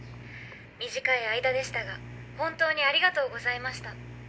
短い間でしたが本当にありがとうございました。